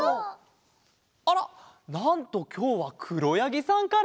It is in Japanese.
あらなんときょうはくろやぎさんから？